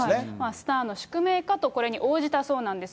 スターの宿命かと、これに応じたそうなんです。